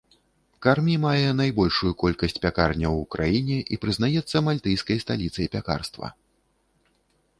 Кармі мае найбольшую колькасць пякарняў ў краіне і прызнаецца мальтыйскай сталіцай пякарства.